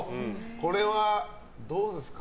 これはどうですか？